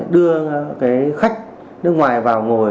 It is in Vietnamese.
đưa cái khách nước ngoài vào ngồi